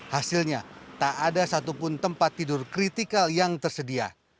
hasilnya tak ada satupun tempat tidur kritikal yang tersedia